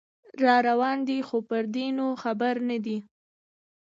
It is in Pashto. راروان دی خو پردې نو خبر نه دی